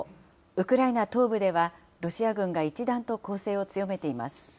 ウクライナ東部では、ロシア軍が一段と攻勢を強めています。